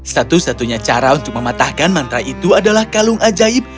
satu satunya cara untuk mematahkan mantra itu adalah kalung ajaib